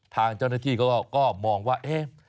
ทางเจ้าหน้าที่ก็มองว่าเอ๊ะ